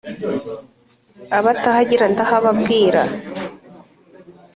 Abatahagenda ndahababwira :